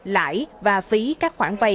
lãi và phí các khoản vay